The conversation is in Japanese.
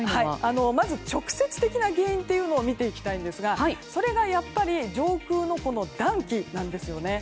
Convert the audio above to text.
まず直接的な原因を見ていきたいんですがそれがやっぱり上空の暖気なんですよね。